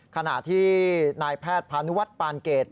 ขณะที่นายแพทย์พานุวัฒน์ปานเกรด